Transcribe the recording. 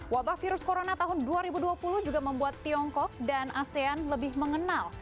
wabah virus corona tahun dua ribu dua puluh juga membuat tiongkok dan asean lebih mengenal